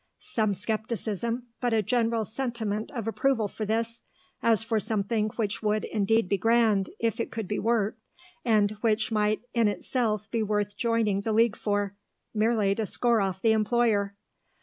(Some scepticism, but a general sentiment of approval for this, as for something which would indeed be grand if it could be worked, and which might in itself be worth joining the League for, merely to score off the employer.)